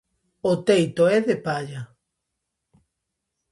O teito é de palla.